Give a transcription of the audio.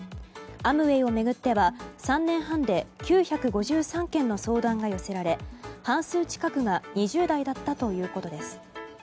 アムウェイを巡っては３年半で９５３件の相談が寄せられ半数近くが２０代だったということです。